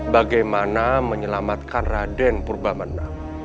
bagaimana menyelamatkan raden purba menang